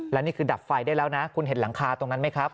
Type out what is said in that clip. และนี่คือดับไฟได้แล้วนะคุณเห็นหลังคาตรงนั้นไหมครับ